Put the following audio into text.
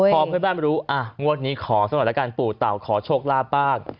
พร้อมเพื่อนบ้านมาดูนี่นี่ขอสนับแล้วกันปู่เต่าขอโชคลาบบ้าง